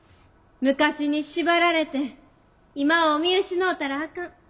昔に縛られて今を見失うたらあかん。